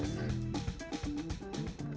perayaan festival musim gugur